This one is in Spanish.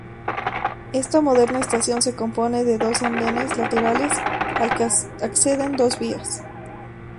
Esta moderna estación se compone de dos andenes laterales al que acceden dos vías.